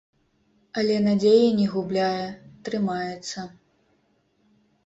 Але надзеі не губляе, трымаецца.